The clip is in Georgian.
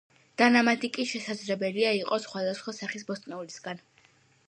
დანამატი კი შესაძლებელია იყოს სხვადასხვა სახის ბოსტნეულისგან.